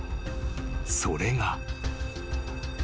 ［それが］